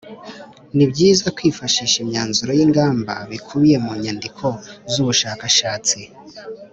Ni byiza kwifashisha imyanzuro n’ingamba bikubiye mu nyandiko z’ ubushakashatsi